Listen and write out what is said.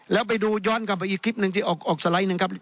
แล้วไปดูย้อนกลับไปอีกคลิปหนึ่ง